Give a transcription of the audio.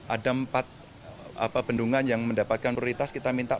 ada empat bendungan yang mendapatkan prioritas kita minta